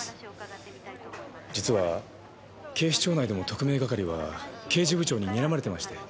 実は警視庁内でも特命係は刑事部長ににらまれてまして。